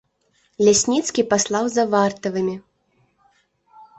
Лясніцкі паслаў за вартавымі.